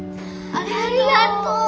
ありがとう！